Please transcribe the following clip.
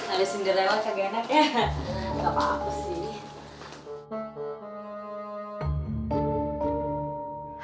ada sendirian lo kagak enak ya